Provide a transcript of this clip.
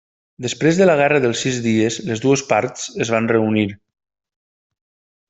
Després de la Guerra dels Sis Dies les dues parts es van reunir.